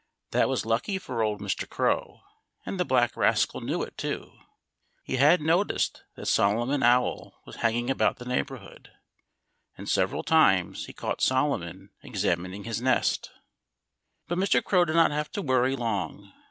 That was lucky for old Mr. Crow. And the black rascal knew it, too. He had noticed that Solomon Owl was hanging about the neighborhood. And several times he caught Solomon examining his nest. But Mr. Crow did not have to worry long.